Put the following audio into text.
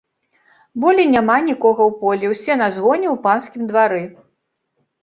Болей няма нікога ў полі, усе на згоне ў панскім двары.